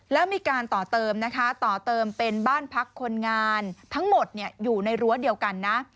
แล้วมีการต่อเติมนะคะต่อเติมเป็นบ้านพักคนงานทั้งหมดอยู่ในรั้วเดียวกันนะ